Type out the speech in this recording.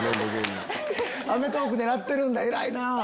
『アメトーーク』狙ってるんだ偉いなぁ。